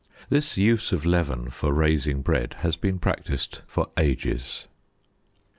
This use of leaven for raising bread has been practiced for ages.